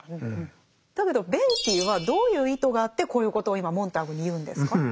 だけどベイティーはどういう意図があってこういうことを今モンターグに言うんですか？